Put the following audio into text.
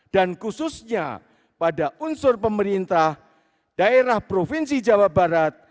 khususnya pada unsur pemerintah daerah provinsi jawa barat